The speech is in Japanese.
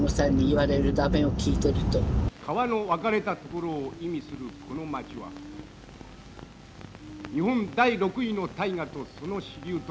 「河の分かれたところ」を意味するこの町は日本第６位の大河とその支流とが真二つに裂けた燕の尾の。